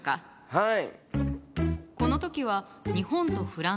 はい。